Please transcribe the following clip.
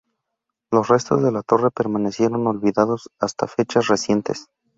Los restos de la torre permanecieron olvidados hasta fechas recientes.